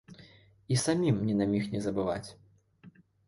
І самім ні на міг не забываць.